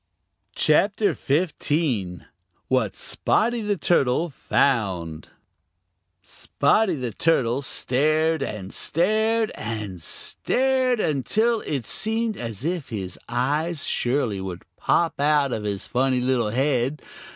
CHAPTER XV: What Spotty The Turtle Found Spotty the Turtle stared and stared and stared, until it seemed as if his eyes surely would pop out of his funny little head.